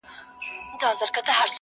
یو په بل کي ورکېدلای!.